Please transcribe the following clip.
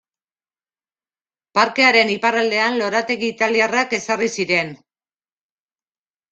Parkearen iparraldean lorategi italiarrak ezarri ziren.